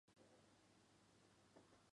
因此也可以称其为水环境。